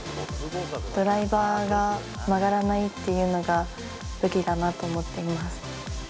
ドライバーが曲がらないっていうのが武器だなと思っています。